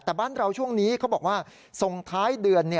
แต่บ้านเราช่วงนี้เขาบอกว่าส่งท้ายเดือน